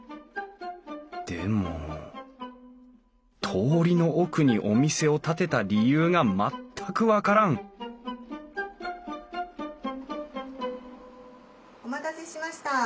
でも通りの奥にお店を建てた理由が全く分からんお待たせしました。